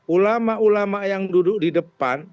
ulama ulama yang duduk di depan